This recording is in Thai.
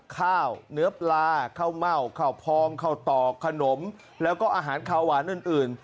ข้าวเนื้อปลาข้าวเม่าข้าวพองข้าวตอกขนมแล้วก็อาหารขาวหวานอื่น